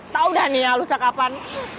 tau dah nih alusnya kapan